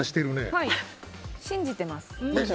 はい、信じてます。